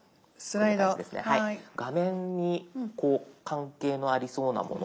画面にこう関係のありそうなもの。